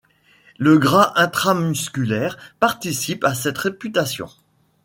Le gras intramusculaire participe à cette réputation.